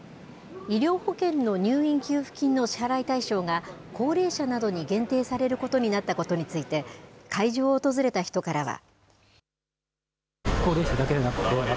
医療保険の入院給付金の支払い対象が、高齢者などに限定されることになったことについて、会場を訪れた人からは。